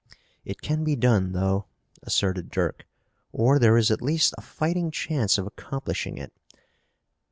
"It can be done, though," asserted Dirk, "or there is at least a fighting chance of accomplishing it.